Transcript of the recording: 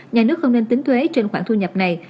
nhà nước không nên tính thuế trên khoản thu nhập này